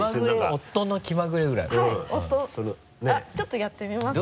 はいちょっとやってみますね。